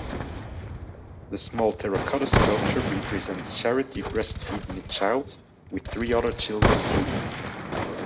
The small terracotta sculpture represents "Charity" breast-feeding a child, with three other children playing.